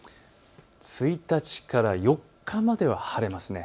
１日から４日までは晴れます。